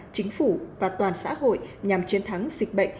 chính phủ và toàn xã hội nhằm chiến thắng dịch bệnh